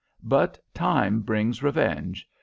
But time brings revenge.